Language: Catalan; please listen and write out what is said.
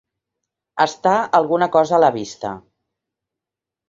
Estar alguna cosa a la vista.